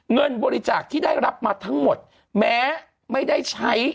เงินบริจาคที่ได้รับมาทั้งหมดแม้ไม่ได้ใช้